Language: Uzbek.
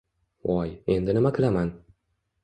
Voy, endi nima qilaman!